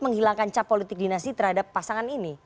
menghilangkan cap politik dinasti terhadap pasangan ini